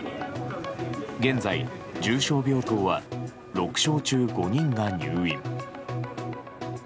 現在、重症病棟は６床中５人が入院。